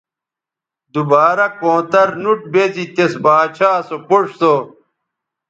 دوبارہ کونتر نوٹ بیزی تس باچھا سو پوڇ سو